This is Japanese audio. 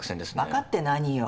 ばかって何よ。